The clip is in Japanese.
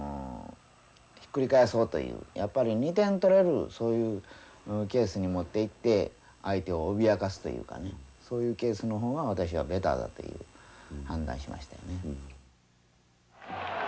やっぱり２点取れるそういうケースに持っていって相手を脅かすというかねそういうケースの方が私はベターだという判断しましたよね。